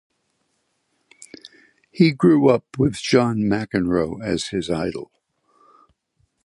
He grew up with John McEnroe as his idol.